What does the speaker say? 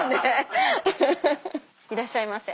いらっしゃいませ。